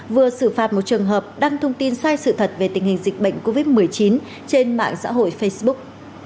vừa xử phạt một trường hợp đăng thông tin sai sự thật về tình hình dịch bệnh covid một mươi chín trên mạng xã hội facebook